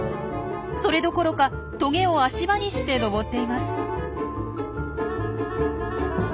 それどころかトゲを足場にして登っています。